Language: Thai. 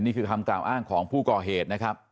นี่คือคำกล่าวอ้างของผู้ก่อเหตุนะครับ